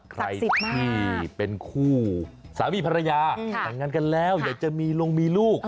ใครที่เป็นคู่สามีภรรยาแต่งงานกันแล้วอยากจะมีลงมีลูก